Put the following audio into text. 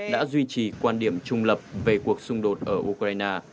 đã duy trì quan điểm trung lập về cuộc xung đột ở ukraine